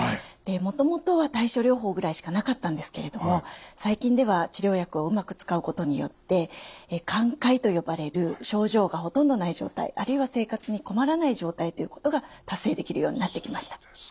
もともとは対症療法ぐらいしかなかったんですけれども最近では治療薬をうまく使うことによって寛解と呼ばれる症状がほとんどない状態あるいは生活に困らない状態ということが達成できるようになってきました。